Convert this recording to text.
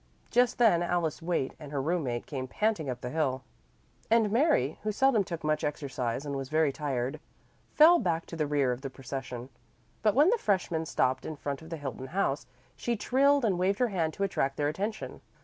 Just then Alice Waite and her roommate came panting up the hill, and Mary, who seldom took much exercise and was very tired, fell back to the rear of the procession. But when the freshmen stopped in front of the Hilton House she trilled and waved her hand to attract their attention.